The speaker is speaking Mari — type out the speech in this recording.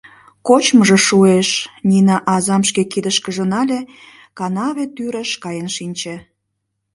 — Кочмыжо шуэш, — Нина азам шке кидышкыже нале, канаве тӱрыш каен шинче.